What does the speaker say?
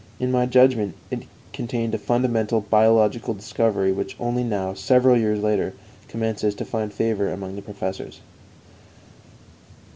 In my judgment, it contained a fundamental biological discovery which only now, several years later, commences to find favor among the professors.